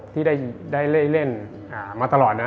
ที่ได้เล่นมาตลอดนะ